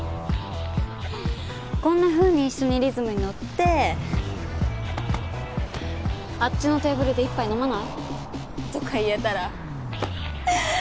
こんなふうに一緒にリズムにのって「あっちのテーブルで一杯飲まない？」とか言えたら。